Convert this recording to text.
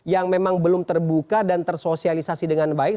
yang memang belum terbuka dan tersosialisasi dengan baik